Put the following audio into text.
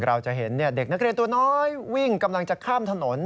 เราจะเห็นเด็กนักเรียนตัวน้อยวิ่งกำลังจะข้ามถนน